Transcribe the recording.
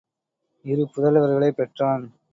இரு புதல்வர்களைப் பெற்றான்.